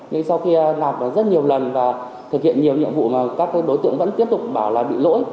nhưng sau khi nạp được rất nhiều lần và thực hiện nhiều nhiệm vụ mà các đối tượng vẫn tiếp tục bảo là bị lỗi